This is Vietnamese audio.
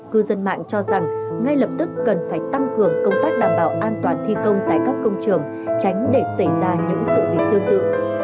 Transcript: cư dân mạng cho rằng ngay lập tức cần phải tăng cường công tác đảm bảo an toàn thi công tại các công trường tránh để xảy ra những sự việc tương tự